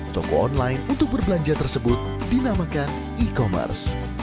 toko online untuk berbelanja tersebut dinamakan e commerce